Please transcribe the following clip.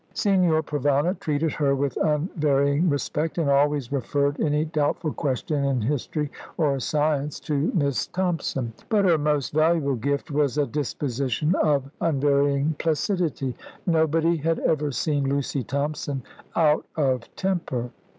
Signor Provana treated her with unvarying respect, and always referred any doubtful question in history or science to Miss Thompson. But her most valuable gift was a disposition of unvarying placidity. Nobody had ever seen Lucy Thompson out of temper.